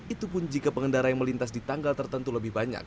itu pun jika pengendara yang melintas di tanggal tertentu lebih banyak